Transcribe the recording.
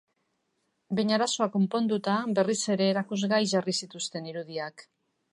Behin arazoa konponduta berriz ere erakusgai jarri zituzten irudiak.